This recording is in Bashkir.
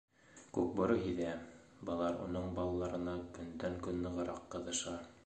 Күкбүре һиҙә: былар уның балаларына көндән-көн нығыраҡ ҡыҙыша.